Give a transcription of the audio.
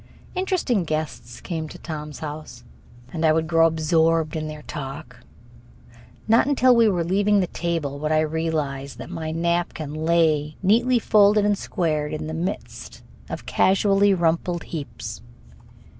Interesting guests came to Tom's house, and I would grow absorbed in their talk. Not until we were leaving the table would I realize that my napkin lay neatly folded and squared in the midst of casually rumpled heaps.